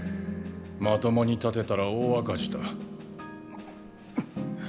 まともに建てたら大赤字だ。